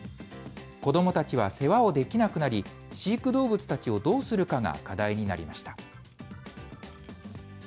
子どもたちは世話をできなくなり、飼育動物たちをどうするかが課題になりました。